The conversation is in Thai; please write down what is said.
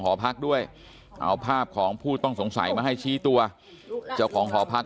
หอพักด้วยเอาภาพของผู้ต้องสงสัยมาให้ชี้ตัวเจ้าของหอพัก